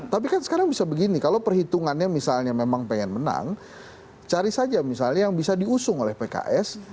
tapi kan sekarang bisa begini kalau perhitungannya misalnya memang pengen menang cari saja misalnya yang bisa diusung oleh pks